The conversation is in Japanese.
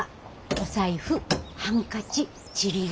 お財布ハンカチちり紙。